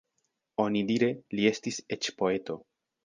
Onidire li estis eĉ poeto.